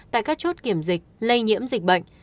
tại các chốt kiểm dịch lây nhiễm dịch bệnh